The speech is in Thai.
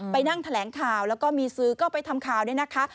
ไปนั่งแถลงข่าวแล้วก็มีซื้อก็ไปทำข่าวเนี่ยนะคะ